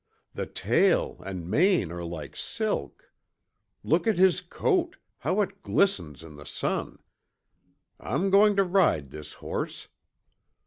The tail and mane are like silk! Look at his coat, how it glistens in the sun. I'm going to ride this horse.